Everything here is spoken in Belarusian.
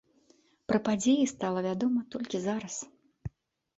Пра падзеі стала вядома толькі зараз.